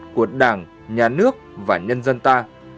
của đảng nhà nước và nhân dân ta